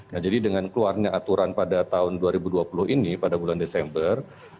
nah jadi dengan keluarnya aturan pada tahun dua ribu dua puluh ini pada bulan desember